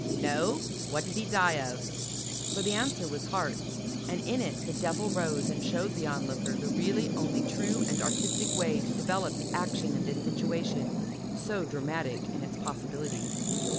No? What did he die of?" For the answer was "Heart," and in it the devil rose and showed the Onlooker the really only true and artistic way to develop the action in this situation, so dramatic in its possibilities.